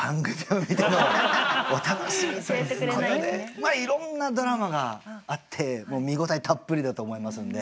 まあいろんなドラマがあってもう見応えたっぷりだと思いますんで。